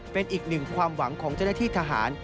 เป็นอีกหนึ่งความหวังของเจ้าหน้าที่ทหาร